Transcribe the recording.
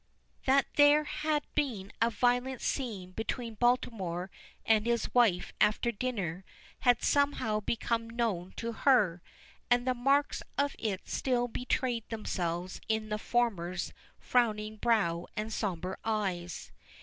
That there had been a violent scene between Baltimore and his wife after dinner had somehow become known to her, and the marks of it still betrayed themselves in the former's frowning brow and sombre eyes.